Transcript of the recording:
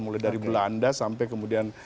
mulai dari belanda sampai kemudian